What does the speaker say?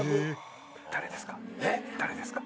誰ですか？